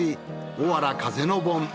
おわら風の盆。